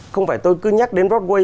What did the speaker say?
không phải tôi cứ nhắc đến broadway